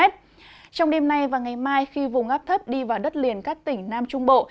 trong đêm nay và ngày mai khi vùng áp thấp đi vào đất liền các tỉnh nam trung bộ